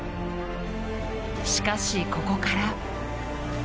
しかし、ここから。